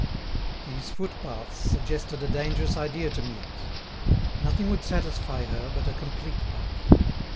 These footbaths suggested a dangerous idea to Miette. Nothing would satisfy her but a complete bath.